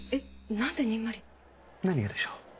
何がでしょう？